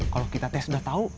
kalau kita tes udah tahu